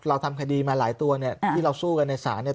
เราทำคดีมาหลายตัวเนี่ยที่เราสู้กันในศาลเนี่ย